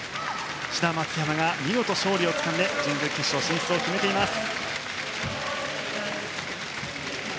志田、松山が見事勝利をつかんで準々決勝進出を決めています。